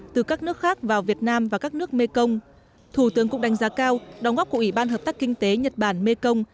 từ các nước khác vào việt nam và các nước mekong thủ tướng cũng đánh giá cao đóng góp của ủy ban hợp tác kinh tế nhật bản mekong